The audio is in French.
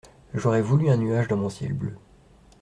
J'aurais voulu un nuage dans mon ciel bleu.